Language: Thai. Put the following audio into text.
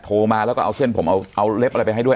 โทรมาแล้วก็เอาเส้นผมเอาเล็บอะไรไปให้ด้วย